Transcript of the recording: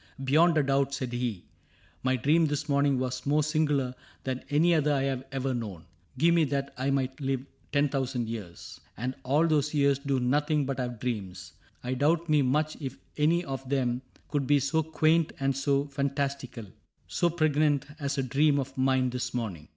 " Beyond a doubt," said he, " My dream this morning was more singular Than any other I have ever known. Give me that I might live ten thousand years. And all those years do nothing but have dreams, I doubt me much if any one of them Could be so quaint or so fantastical. So pregnant, as a dream of mine this morning.